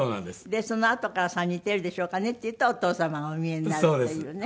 そのあとから「さあ似てるでしょうかね？」って言うとお父様がお見えになるというね。